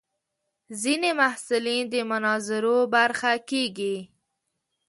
ځینې محصلین د مناظرو برخه کېږي.